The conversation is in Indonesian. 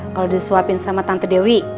kalau disuapin sama tante dewi